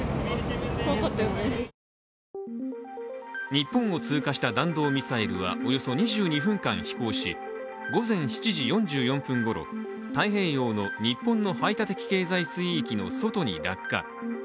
日本を通過した弾道ミサイルはおよそ２２分間飛行し午前７時４４分ごろ、太平洋の日本の排他的経済水域の外に落下。